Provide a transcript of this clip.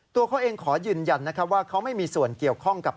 ตัวเขาเองขอยืนยันนะครับว่าเขาไม่มีส่วนเกี่ยวข้องกับ